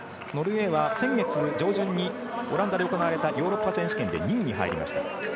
ノルウェーは先月上旬にオランダで行われたヨーロッパ選手権で２位に入りました。